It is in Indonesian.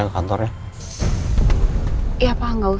apa pacaragne di ropedang tuh